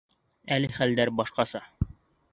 Әле хәлдәр башҡаса.